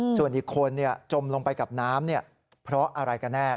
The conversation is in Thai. ส่วนอีกคนจมลงไปกับน้ำเพราะอะไรกันแน่